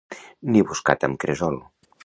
Ni buscat amb cresol.